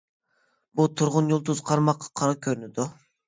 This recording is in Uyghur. بۇ تۇرغۇن يۇلتۇز قارىماققا قارا كۆرۈنىدۇ.